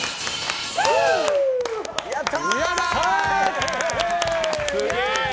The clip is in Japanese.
やった！